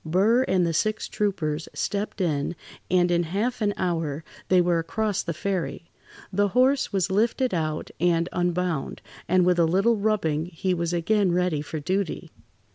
Burr and the six troopers stepped in, and in half an hour they were across the ferry. The horse was lifted out, and unbound, and with a little rubbing he was again ready for duty.